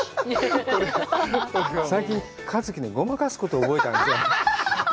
最近、一希、ごまかすことを覚えたんですよ。